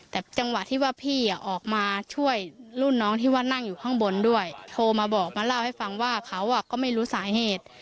แต่จังหวะที่ว่าพี่ออกมาช่วยรุ่นน้องที่ว่านั่งอยู่ข้างบนด้วยโทรมาบอกมาเล่าให้ฟังว่าเขาก็ไม่รู้สาเหตุ